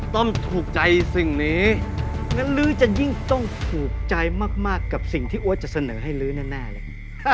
ต้องถูกใจสิ่งนี้งั้นลื้อจะยิ่งต้องถูกใจมากกับสิ่งที่อ้วนจะเสนอให้ลื้อแน่เลย